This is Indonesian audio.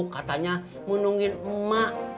katanya mau nungguin emak